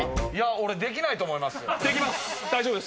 俺、できないと思います。